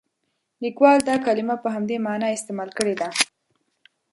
لیکوال دا کلمه په همدې معنا استعمال کړې ده.